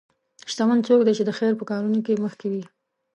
شتمن څوک دی چې د خیر په کارونو کې مخکې وي.